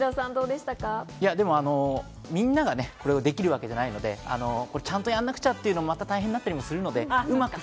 みんながこれをできるわけではないので、ちゃんとやらなくちゃっていうのも大変だったりするので、うまく